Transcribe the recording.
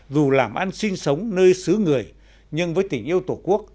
dù làm ăn sinh sống nơi xứ người nhưng với tình yêu tổ quốc